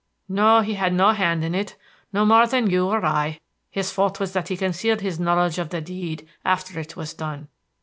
"No; he had no hand in it, no more than you or I. His fault was that he concealed his knowledge of the deed after it was done.